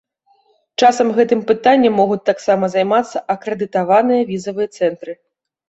Часам гэтым пытаннем могуць таксама займацца акрэдытаваныя візавыя цэнтры.